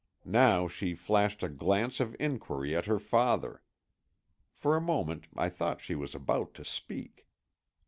Now she flashed a glance of inquiry at her father. For a moment I thought she was about to speak.